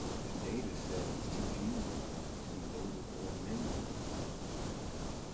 The dataset was too huge to be loaded on memory.